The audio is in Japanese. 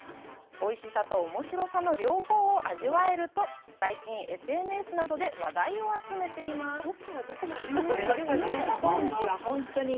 おいしさとおもしろさの両方を味わえると、最近、ＳＮＳなどで話題を集めています。